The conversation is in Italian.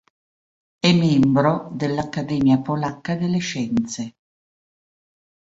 È membro dell'Accademia Polacca delle Scienze.